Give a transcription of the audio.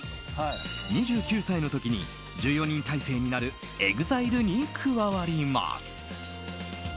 ２９歳の時に１４人体制になるＥＸＩＬＥに加わります。